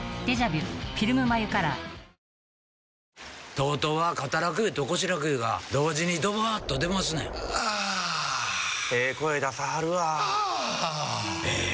ＴＯＴＯは肩楽湯と腰楽湯が同時にドバーッと出ますねんあええ声出さはるわあええ